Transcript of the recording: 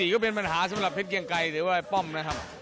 ก็เป็นปัญหาสำหรับเพชรเกียงไกรหรือว่าป้อมนะครับ